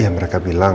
ya mereka bilang